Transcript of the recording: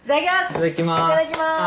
いただきまーす